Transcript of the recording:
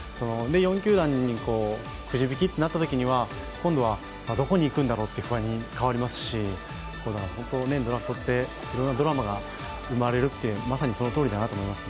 ４球団にくじ引きとなったときには今度はどこに行くんだろうという不安に変わりますしだから、本当にドラフトっていろんなドラマが生まれるってまさにそのとおりだなと思います。